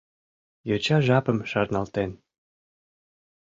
Йоча жапым шарналтен.